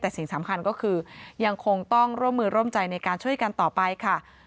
แต่สิ่งสำคัญก็คือยังคงต้องร่วมมือร่วมใจในการช่วยกันต่อไปค่ะ